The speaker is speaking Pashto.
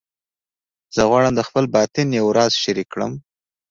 زه غواړم د خپل باطن یو راز شریک کړم